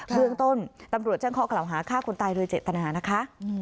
เบื้องต้นตำรวจแจ้งข้อกล่าวหาฆ่าคนตายโดยเจตนานะคะ